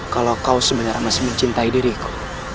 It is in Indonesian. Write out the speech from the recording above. kalau kau sebenarnya masih mencintai diriku